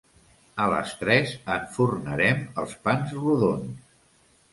A les tres enfornarem els pans rodons.